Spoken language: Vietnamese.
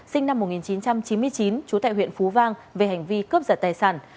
sinh năm một nghìn chín trăm chín mươi chín trú tại huyện phú vang về hành vi cướp giật tài sản